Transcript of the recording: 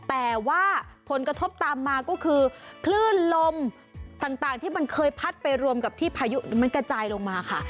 แต่ว่าผลกระทบตามมาก็คือคลื่นลมต่างที่มันเคยพัดไปรวมกับที่พายุมันกระจายลงมาค่ะ